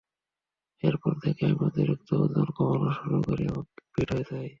এরপর থেকে আমি অতিরিক্ত ওজন কমানো শুরু করি এবং ফিট হয়ে যাই।